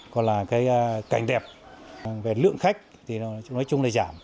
còn là cái cảnh đẹp về lượng khách thì nói chung là giảm